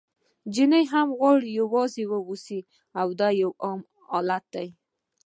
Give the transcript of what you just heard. نجلۍ هم غواړي یوازې واوسي، دا یو عام حالت دی.